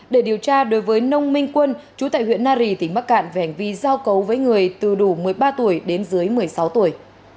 để điều tra đối với nông minh quân chú tại huyện nari tỉnh bắc cạn về hành vi giao cấu với người từ đủ một mươi ba tuổi đến dưới một mươi sáu tuổi